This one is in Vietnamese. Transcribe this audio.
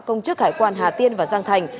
công chức hải quan hà tiên và giang thành